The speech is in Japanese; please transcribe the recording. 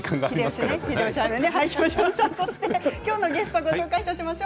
今日のゲストをご紹介いたします。